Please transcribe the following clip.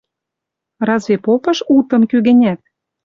Разве попыш утым кӱ-гӹнят?